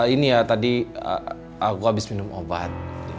ini ya tadi aku habis minum obat